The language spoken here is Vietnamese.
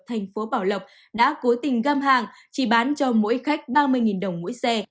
thành phố bảo lộc đã cố tình găm hàng chỉ bán cho mỗi khách ba mươi đồng mỗi xe